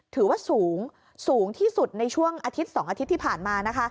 ถือว่าสูงสูงที่สุดในช่วงอาทิตย์๒อาทิตย์ที่ผ่านมา